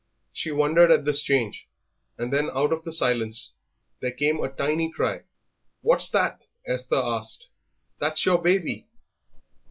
She wondered at this change, and then out of the silence there came a tiny cry. "What's that?" Esther asked. "That's your baby."